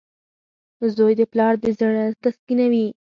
• زوی د پلار زړۀ تسکینوي.